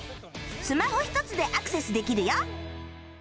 スマホ１つでアクセスできるよ